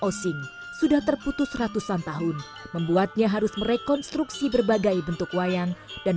osing sudah terputus ratusan tahun membuatnya harus merekonstruksi berbagai bentuk wayang dan